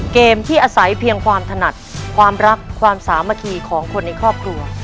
เกมที่อาศัยเพียงความถนัดความรักความสามัคคีของคนในครอบครัว